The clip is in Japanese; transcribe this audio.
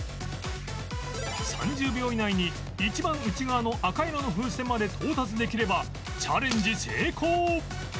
３０秒以内に一番内側の赤色の風船まで到達できればチャレンジ成功